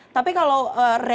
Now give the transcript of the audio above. tapi kalau rencana